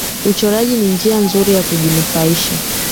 Uchoraji ni njia nzuri ya kujinufaisha